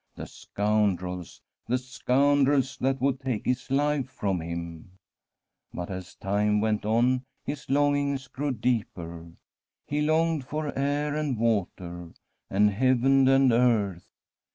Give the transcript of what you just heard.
The scoundrels — ^the scoundrels that would take his life from him ! But as time went on his longings grew deeper ; he longed for air and water and heaven and earth.